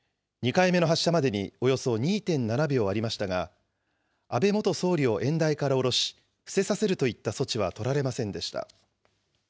２回目の発射までにおよそ２．７秒ありましたが、安倍元総理を演台から降ろし、伏せさせるといった措置は取られませんでした。